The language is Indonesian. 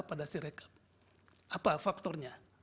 pada si rekap apa faktornya